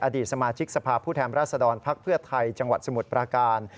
อดีตสมาชิกสภาพผู้แทนราชดรภักดิ์เพื่อไทยจังหวัดสมุทรปราการ